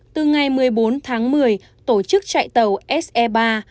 từ ngày một mươi bốn tháng một mươi tổ chức chạy tàu se bảy và se tám